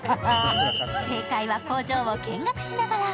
正解は工場を見学しながら。